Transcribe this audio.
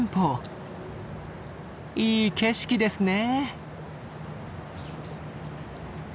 いい景色ですね。